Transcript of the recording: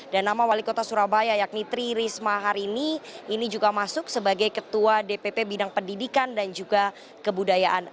dan nama wali kota surabaya yakni tri risma harini ini juga masuk sebagai ketua dpp bidang pendidikan dan juga kebudayaan